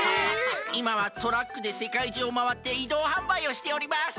いまはトラックでせかいじゅうをまわっていどうはんばいをしております。